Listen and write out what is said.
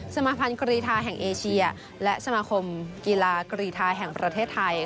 สมาภัณฑ์กรีธาแห่งเอเชียและสมาคมกีฬากรีธาแห่งประเทศไทย